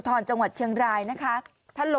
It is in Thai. โปรดติดตามต่อไป